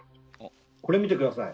これ見て下さい。